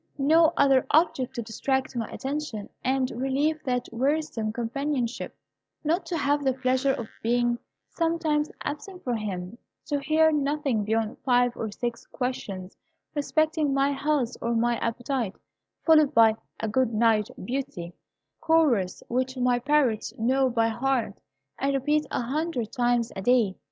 no other object to distract my attention, and relieve that wearisome companionship; not to have the pleasure of being sometimes absent from him; to hear nothing beyond five or six questions respecting my health or my appetite, followed by a 'Good night, Beauty,' a chorus which my parrots know by heart, and repeat a hundred times a day.